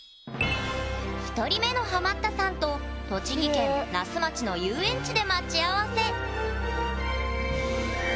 １人目のハマったさんと栃木県那須町の遊園地で待ち合わせ！